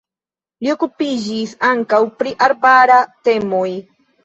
Li okupiĝis ankaŭ pri arbaraj temoj.